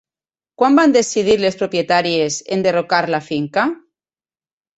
Quan van decidir les propietàries enderrocar la finca?